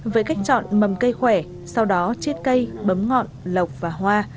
với cách chọn mầm cây khỏe sau đó chiết cây bấm ngọn lọc và hoa